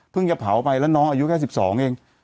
จะเผาไปแล้วน้องอายุแค่๑๒เอง